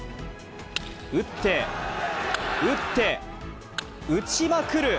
打って、打って、打ちまくる。